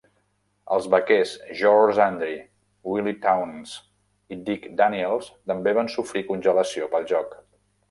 Els vaquers George Andrie, Willie Townes i Dick Daniels també van sofrir congelació pel joc.